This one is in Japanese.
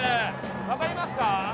分かりますか？